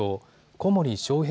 小森章平